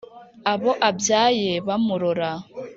Abo abyaye bamurora